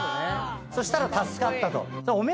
そしたら助かったと。